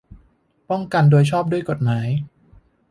ป้องกันโดยชอบด้วยกฎหมาย